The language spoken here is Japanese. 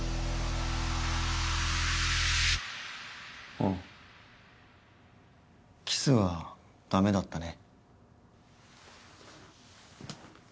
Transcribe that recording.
あっキスはダメだったね。